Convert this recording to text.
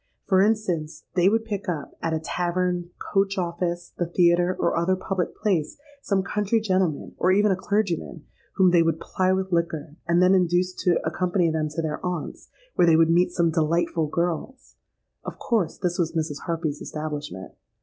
For instance, they would pick up, at a tavern, coach office, the theatre, or other public place, some country gentleman, or even a clergyman, whom they would ply with liquor, and then induce to accompany them to 'their aunt's,' where they would meet 'some delightful girls.' Of course this was Mrs. Harpy's establishment.